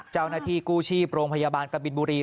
เจ้าหน้าที่กู้ชีพโรงพยาบาลกบินบุรี